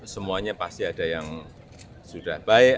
semuanya pasti ada yang sudah baik